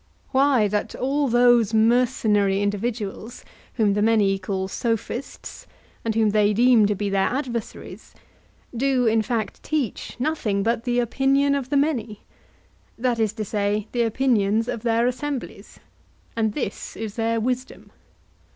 Why, that all those mercenary individuals, whom the many call Sophists and whom they deem to be their adversaries, do, in fact, teach nothing but the opinion of the many, that is to say, the opinions of their assemblies; and this is their wisdom.